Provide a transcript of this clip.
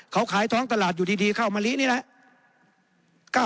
เขาขายท้องตลาดอยู่ดีข้าวมะลินี่แหละ